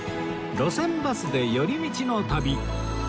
『路線バスで寄り道の旅』